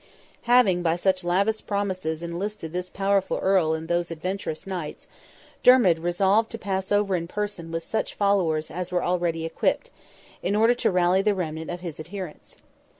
Having by such lavish promises enlisted this powerful Earl and those adventurous knights, Dermid resolved to pass over in person with such followers as were already equipped, in order to rally the remnant of his adherents.